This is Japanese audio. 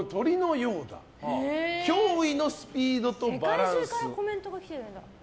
世界中からコメントが来てるんだ。